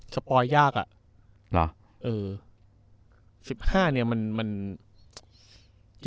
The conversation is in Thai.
สปอยยาก